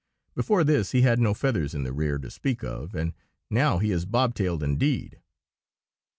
Before this he had no feathers in the rear to speak of, and now he is bobtailed indeed.